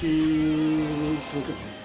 その時ね。